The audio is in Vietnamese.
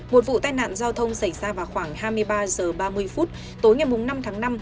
một vụ tai nạn giao thông xảy ra vào khoảng hai mươi ba h ba mươi phút tối ngày năm tháng năm